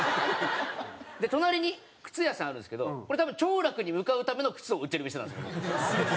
隣に靴屋さんあるんですけどこれ、多分兆楽に向かうための靴を売ってる店なんですよ。